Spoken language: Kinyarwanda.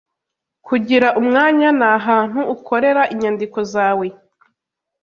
Kugira umwanya nahantu ukorera inyandiko zawe